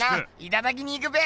いただきに行くべ！